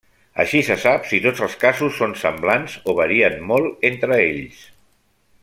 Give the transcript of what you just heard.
Així se sap si tots els casos són semblants o varien molt entre ells.